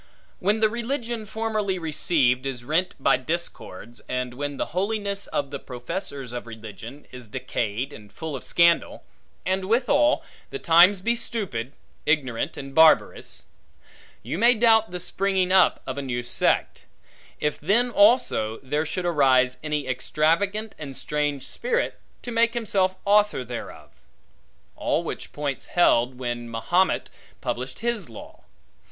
When the religion formerly received, is rent by discords; and when the holiness of the professors of religion, is decayed and full of scandal; and withal the times be stupid, ignorant, and barbarous; you may doubt the springing up of a new sect; if then also, there should arise any extravagant and strange spirit, to make himself author thereof. All which points held, when Mahomet published his law.